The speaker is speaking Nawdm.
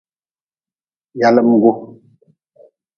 Yalimgu.